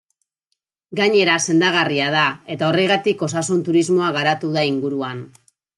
Gainera sendagarria da, eta horregatik osasun turismoa garatu da inguruan.